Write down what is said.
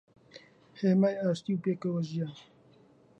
هێمای ئاشتی و پێکەوەژیان